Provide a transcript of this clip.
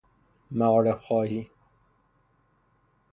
معارف خواهی